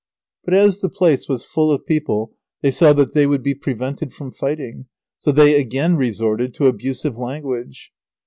But as the place was full of people they saw that they would be prevented from fighting, so they again resorted to abusive language.